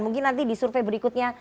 mungkin nanti di survei berikutnya